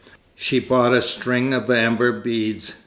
She bought a string of amber beads.